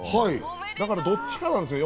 だからどっちかなんです。